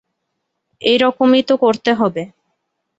এই রকমই তো করতে হবে।